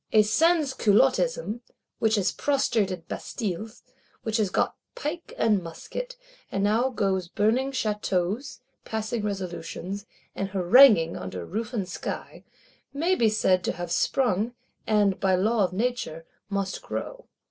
A Sansculottism, which has prostrated Bastilles, which has got pike and musket, and now goes burning Châteaus, passing resolutions and haranguing under roof and sky, may be said to have sprung; and, by law of Nature, must grow.